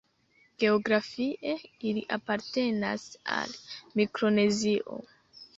Geografie ili apartenas al Mikronezio.